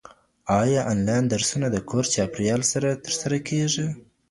ايا انلاين درسونه د کور چاپیریال سره ترسره کیږي؟